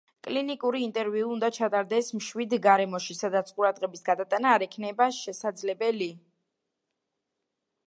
კლინიკური ინტერვიუ უნდა ჩატარდეს მშვიდ გარემოში, სადაც ყურადღების გადატანა არ იქნება შესაძლებელი.